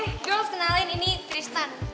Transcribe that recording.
eh gue mau kenalin ini tristan